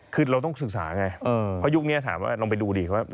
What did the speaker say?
คือเราต้องศึกษาไงเพราะยุคนี้ถามว่าลองไปดูดิว่า